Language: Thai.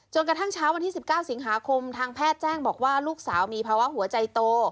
กระทั่งเช้าวันที่๑๙สิงหาคมทางแพทย์แจ้งบอกว่าลูกสาวมีภาวะหัวใจโต